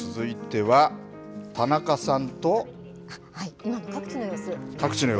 今の各地の様子。